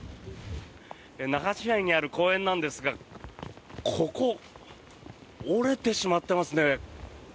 那覇市内にある公園なんですがここ、折れてしまってますね。